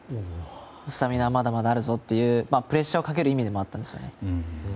スタミナはまだまだあるぞというプレッシャーをかける意味もありました。